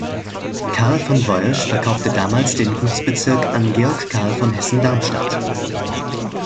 Karl von Woyrsch verkaufte damals den Gutsbezirk an Georg Karl von Hessen-Darmstadt.